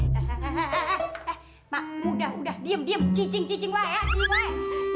hehehehe mak udah udah diam diam cicing cicing mbak ya cik mbak